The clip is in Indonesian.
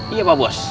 iya pak bos